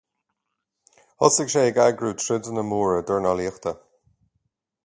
Thosaigh sé ag eagrú troideanna móra dornálaíochta.